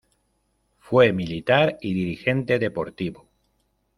Fue militar y dirigente deportivo.